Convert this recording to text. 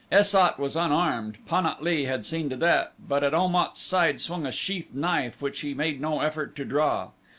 Es sat was unarmed Pan at lee had seen to that but at Om at's side swung a sheathed knife which he made no effort to draw.